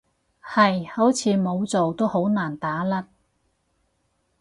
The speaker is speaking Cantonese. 係，好似冇做都好難打甩